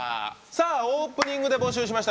オープニングで募集しました